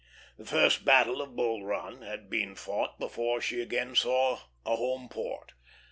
The first battle of Bull Run had been fought before she again saw a home port.